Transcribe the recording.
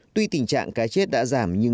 tuy tình trạng cá chết đã giảm